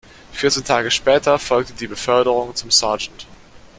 Vierzehn Tage später folgte die Beförderung zum Sergeant.